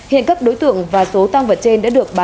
hiện các đối tượng và số tăng vật trên đã được bán